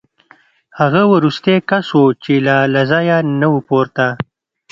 هغه وروستی کس و چې لا له ځایه نه و پورته